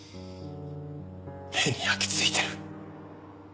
目に焼きついてる。